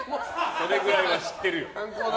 それくらいは知ってるよ。